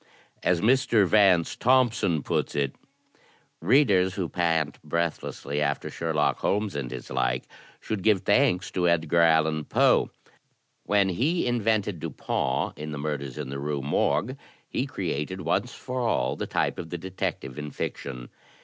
As Mr. Vance Thompson puts it: "Readers who pant breathlessly after Sherlock Holmes and his like should give thanks to Edgar Allan Poe; when he invented Dupin in the * Murders in the Rue Morgue,' he created once for all the type of the detective in fiction.